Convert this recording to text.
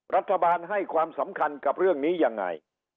รัฐบาลให้ความสำคัญกับเรื่องนี้ยังไง